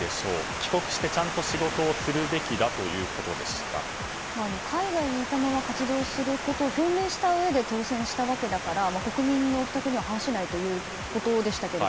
帰国してちゃんと海外にいたまま活動することを表明したうえで当選したわけだから国民の負託には反しないということでしたけれど。